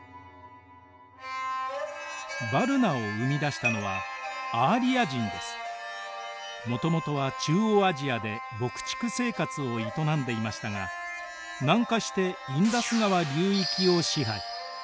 ヴァルナを生み出したのはもともとは中央アジアで牧畜生活を営んでいましたが南下してインダス川流域を支配。